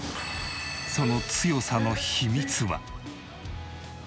その強さの秘密は。